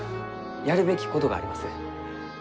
やるべきことがあります。